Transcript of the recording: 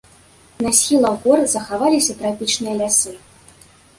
На схілах гор захаваліся трапічныя лясы.